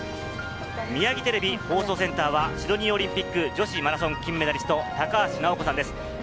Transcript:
ミヤギテレビ放送センターはシドニーオリンピック女子マラソン金メダリスト・高橋尚子さんです。